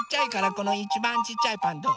このいちばんちっちゃいパンどう？